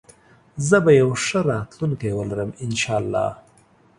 زه به يو ښه راتلونکي ولرم انشاالله